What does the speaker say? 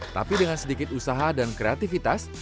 tapi dengan sedikit usaha dan kreativitas